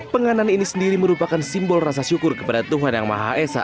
penganan ini sendiri merupakan simbol rasa syukur kepada tuhan yang maha esa